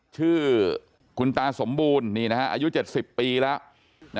ชื่อคุณตาสมบูรณ์นี่นะครับอายุ๗๐ปีแล้ว